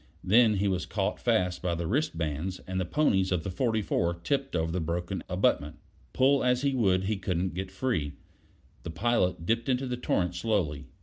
Then he was caught fast by the wristbands, and the ponies of the 44 tipped over the broken abutment. Pull as he would he couldn't get free. The pilot dipped into the torrent slowly.